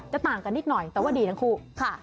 ต่างกันนิดหน่อยแต่ว่าดีทั้งคู่ค่ะ